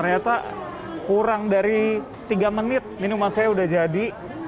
ternyata kurang dari tiga menit minuman saya sudah jadi